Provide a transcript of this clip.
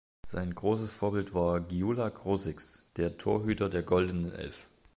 Sein großes Vorbild war Gyula Grosics, der Torhüter der Goldenen Elf.